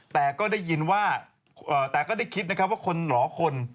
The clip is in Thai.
แต่ก็ได้คิดนะครับว่าคนหล่อคน